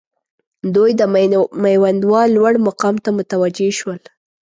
دوی د میوندوال لوړ مقام ته متوجه شول.